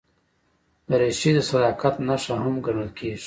دریشي د صداقت نښه هم ګڼل کېږي.